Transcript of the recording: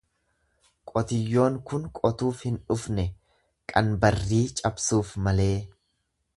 Qotiyyoon kun qotuuf hin dhufne qanbarrii cabsuuf malee.